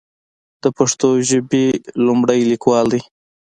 د پښتو ژبې وړومبے ليکوال دی